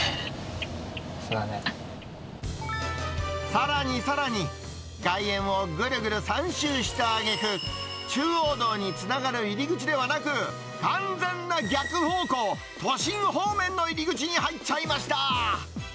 さらにさらに、外苑をぐるぐる３周したあげく、中央道につながる入り口ではなく、完全な逆方向、都心方面の入り口に入っちゃいました。